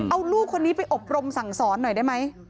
เอาลูกคนนี้ไปอบรมสั่งสอนหน่อยได้ไหม